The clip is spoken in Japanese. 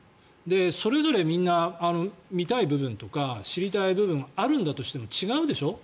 それぞれみんな見たい部分とか知りたい部分があるんだとしても違うでしょ。